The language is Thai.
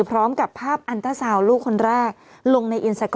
พร้อมกับภาพอันตะสาวน์ลูกคนแรกลงในอินสเซอร์แรมค่ะ